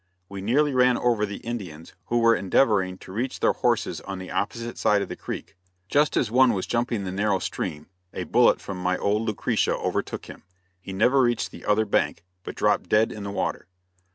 We nearly ran over the Indians who were endeavoring to reach their horses on the opposite side of the creek. Just as one was jumping the narrow stream a bullet from my old "Lucretia" overtook him. He never reached the other bank, but dropped dead in the water.